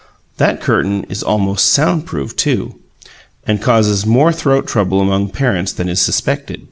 That curtain is almost sound proof, too, and causes more throat trouble among parents than is suspected.